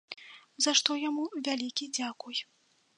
За што яму вялікі дзякуй.